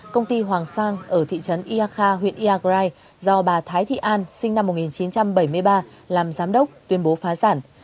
công ty hoàng sang ở thị trấn ia kha huyện iagrai do bà thái thị an sinh năm một nghìn chín trăm bảy mươi ba làm giám đốc tuyên bố phá sản